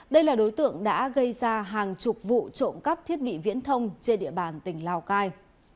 đây là đối tượng đã gây ra hàng chục vụ trộm cắp thiết bị viễn thông trên địa bàn tỉnh lào cai